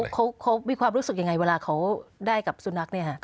เขามีความรู้สึกยังไงเวลาเขาได้กับสุนัขเนี่ยฮะ